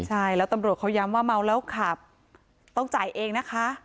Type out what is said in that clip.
ใช่แล้วตำรวจเขาย้ำว่าเมาแล้วขับต้องจ่ายเองนะคะ